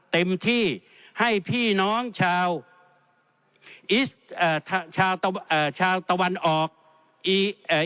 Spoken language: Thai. เต็มที่ให้พี่น้องชาวอิสเอ่อชาวตะเอ่อชาวตะวันออกอีเอ่อ